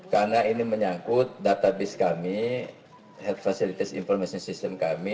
karena ini menyangkut database kami health facilities information system kami